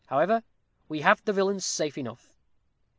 However, we have the villain safe enough.